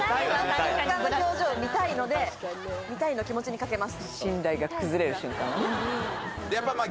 瞬間の表情を見たいので見たいの気持ちに賭けます。